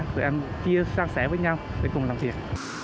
tụi em chia sẻ với nhau để cùng làm việc